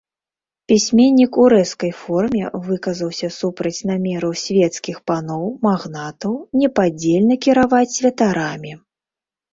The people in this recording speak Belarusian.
Пісьменнік у рэзкай форме выказаўся супраць намераў свецкіх паноў, магнатаў непадзельна кіраваць святарамі.